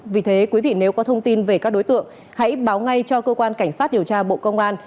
vì thế quý vị nếu có thông tin về các đối tượng hãy báo ngay cho cơ quan cảnh sát điều tra bộ công an